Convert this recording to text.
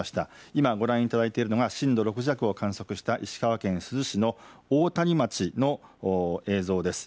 今、ご覧いただいているのが震度６弱を観測した石川県珠洲市の大谷町の映像です。